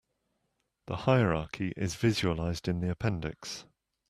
The hierarchy is visualized in the appendix.